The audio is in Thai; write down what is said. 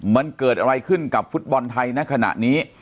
มันเกิดอะไรขึ้นกับฟุตบอลไทยณขณะนี้